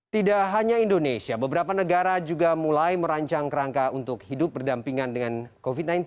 tidak hanya indonesia beberapa negara juga mulai merancang kerangka untuk hidup berdampingan dengan covid sembilan belas